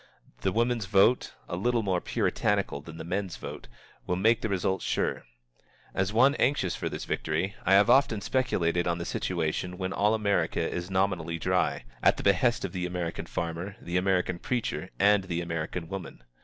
The women's vote, a little more puritanical than the men's vote, will make the result sure. As one anxious for this victory, I have often speculated on the situation when all America is nominally dry, at the behest of the American farmer, the American preacher, and the American woman.